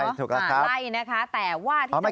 ถูกแล้วครับใช่ถูกแล้วครับไล่นะคะแต่ว่าที่สังหวัด